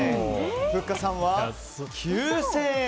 ふっかさんは９０００円。